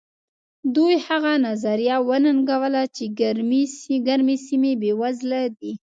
دوی هغه نظریه وننګوله چې ګرمې سیمې بېوزله دي.